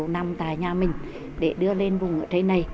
năm tài nhà mình để đưa lên vùng ở đây này